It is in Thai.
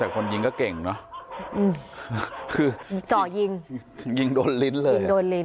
แต่คนยิงแก่งเนาะคือจ่อยิงยิงโดนลิ้นเลย